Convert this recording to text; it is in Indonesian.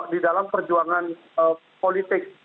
di dalam perjuangan politik